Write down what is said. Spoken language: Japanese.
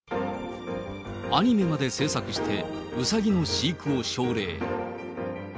アニメまで制作して、うさぎの飼育を奨励。